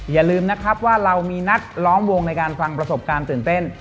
อย่าลืมนะครับว่าเรามีนัดล้อมวงในการฟังประสบการณ์ตื่นเต้น